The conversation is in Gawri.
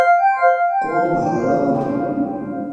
قوم حاران ہُو